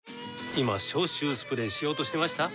今消臭スプレーしようとしてました？